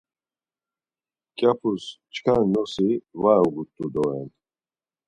Mǩyapus çkar nosi var uğut̆u doren.